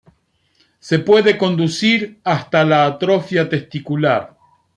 Se puede conducir hasta la atrofia testicular.